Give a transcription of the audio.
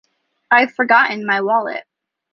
I’ve forgotten my wallet.